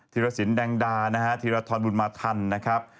ธีรศิลป์แดงดานะฮะธีรธรรมบุญมาทันนะครับ